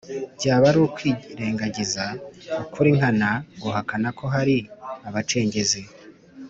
byaba ari ukwirengagiza ukuri nkana guhakana ko hari abacengezi